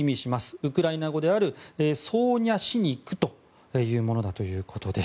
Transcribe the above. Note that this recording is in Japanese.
ウクライナ語であるソーニャシニクという意味だそうです。